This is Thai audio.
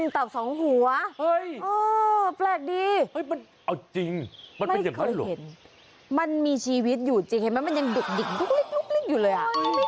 ตับ๒หัวแปลกดีไม่เคยเห็นมันมีชีวิตอยู่จริงมันยังดึกดึกดึกดึกอยู่เลย